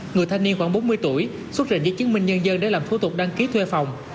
người thanh niên khoảng bốn mươi tuổi xuất trình giấy chứng minh nhân dân để làm thủ tục đăng ký thuê phòng